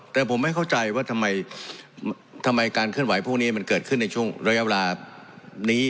แต่ผมไม่เข้าใจว่าทำไมการเคลื่อนไหวพวกนี้มันเกิดขึ้นในช่วงระยะเวลานี้